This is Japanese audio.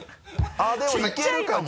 あぁでもいけるかも。